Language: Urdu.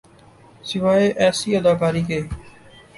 سوائے ایسی اداکاری کے۔